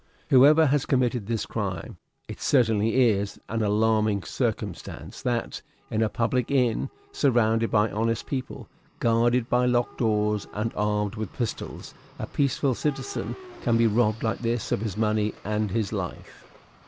Whoever has committed this crime, it certainly is an alarming circumstance that, in a public inn, surrounded by honest people, guarded by locked doors, and armed with pistols, a peaceful citizen can be robbed like this of his money and his life."